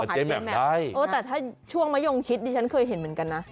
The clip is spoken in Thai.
แต่ถ้าช่วงมะยงชิดดิฉันเคยเห็นเหมือนกันนะ